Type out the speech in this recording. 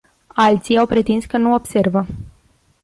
Alții au pretins că nu observă.